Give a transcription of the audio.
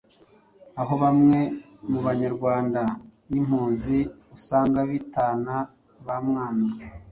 aho bamwe mu banyarwanda n’impunzi usanga bitana ba mwana